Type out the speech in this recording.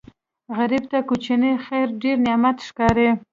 غریب ته کوچنی خیر ډېر نعمت ښکاري